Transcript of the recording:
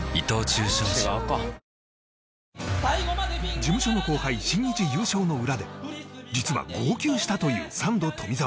事務所の後輩しんいち優勝の裏で実は号泣したというサンド・富澤